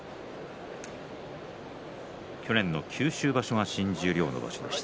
去年の九州場所が新十両の場所でした。